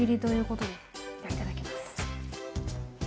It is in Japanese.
ではいただきます。